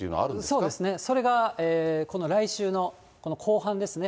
そうですね、それがこの来週のこの後半ですね。